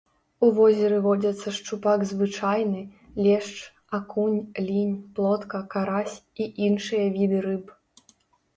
У возеры водзяцца шчупак звычайны, лешч, акунь, лінь, плотка, карась і іншыя віды рыб.